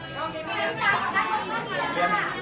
ขอบคุณครับ